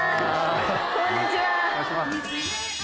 こんにちは。